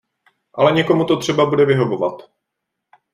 Ale někomu to třeba bude vyhovovat.